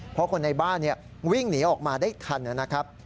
เพราะคนในบ้านวิ่งหนีออกมาได้ทันนะครับ